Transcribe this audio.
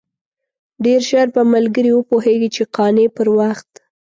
ډېر ژر به ملګري وپوهېږي چې قانع پر وخت.